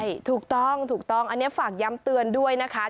ใช่ถูกต้องถูกต้องอันนี้ฝากย้ำเตือนด้วยนะคะ